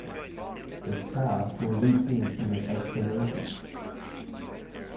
This path will lead you to your destination.